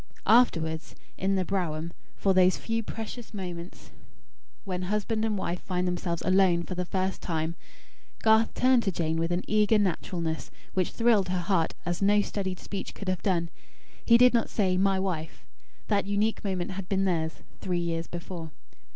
Afterwards, in the brougham, for those few precious minutes, when husband and wife find themselves alone for the first time, Garth turned to Jane with an eager naturalness, which thrilled her heart as no studied speech could have done. He did not say: "My wife." That unique moment had been theirs, three years before.